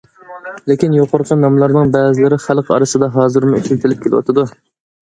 لېكىن يۇقىرىقى ناملارنىڭ بەزىلىرى خەلق ئارىسىدا ھازىرمۇ ئىشلىتىلىپ كېلىۋاتىدۇ.